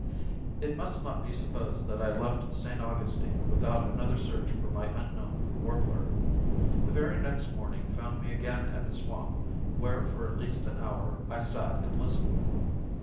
It must not be supposed that I left St. Augustine without another search for my unknown "warbler." The very next morning found me again at the swamp, where for at least an hour I sat and listened.